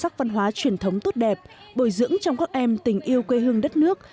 giữ gìn bản sắc văn hóa truyền thống tốt đẹp bồi dưỡng trong các em tình yêu quê hương đất nước